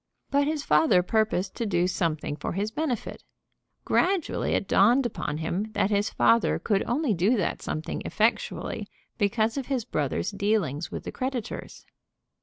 But his father purposed to do something for his benefit. Gradually it dawned upon him that his father could only do that something effectually because of his brother's dealings with the creditors.